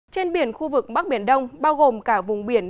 trên biển khu vực bắc biển đông bao gồm cả vùng biển